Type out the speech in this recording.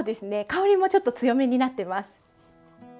香りもちょっと強めになってます。